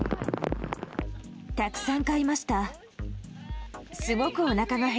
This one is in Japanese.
たくさん買いました。